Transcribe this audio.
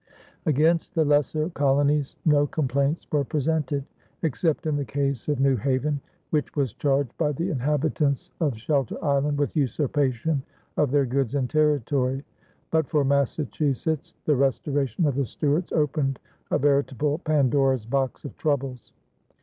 Against the lesser colonies no complaints were presented, except in the case of New Haven, which was charged by the inhabitants of Shelter Island with usurpation of their goods and territory; but for Massachusetts the restoration of the Stuarts opened a veritable Pandora's box of troubles.